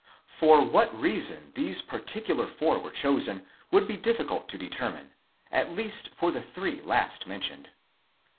For what reason these particular four were chosen would be difficult to determine, at least for the three last mentioned.